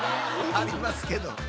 ありますけど。